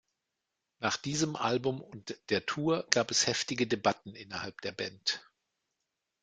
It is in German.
Nach diesem Album und der Tour gab es heftige Debatten innerhalb der Band.